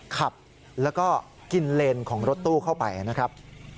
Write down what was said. ขับแล้วก็กินเลนของรถตู้เข้าไปนะครับ